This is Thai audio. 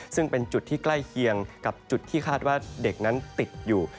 ซึ่งเป็นจุดที่ใกล้เคียงกับจุดที่คาดว่าเด็กนั้นติดอยู่